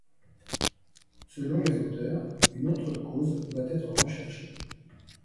Selon les auteurs, une autre cause doit être recherchée.